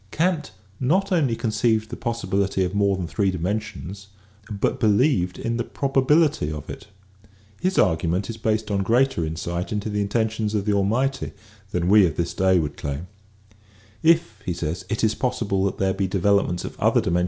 Kant not only conceived the possibility of more than three dimensions but believed in the probability of it. His argument is based on greater insight into the in tentions of the Almighty than we of this day would claim :" If it is possible that there be developments of other dimen.